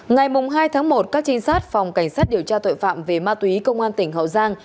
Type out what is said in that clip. ngày hai tháng một các trinh sát phòng cảnh sát điều tra tội phạm về ma túy công an tp hcm